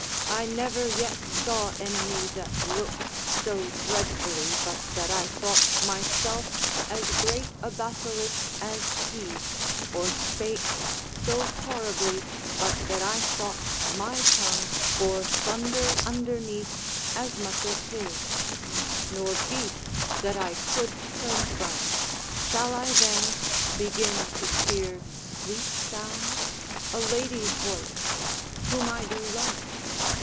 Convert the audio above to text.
I never yet saw enemy that looked So dreadfully, but that I thought myself As great a basilisk as he; or spake So horribly, but that I thought my tongue Bore thunder underneath, as much as his; Nor beast that I could turn from: shall I then Begin to fear sweet sounds? a lady's voice, Whom I do love?